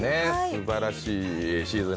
すばらしいシーズン